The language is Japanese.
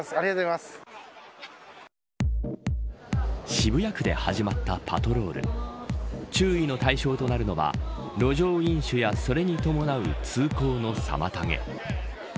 渋谷区で始まったパトロール注意の対象となるのは路上飲酒やそれに伴う通行の妨げ。